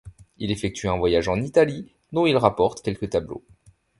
Il effectue un voyage en Italie, dont il rapporte quelques tableaux.